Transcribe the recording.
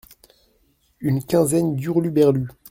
Une quinzaine d’hurluberlus.